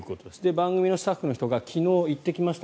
番組のスタッフの人が昨日、行ってきました。